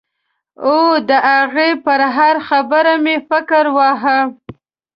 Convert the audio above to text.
او د هغې پر هره خبره مې فکر واهه.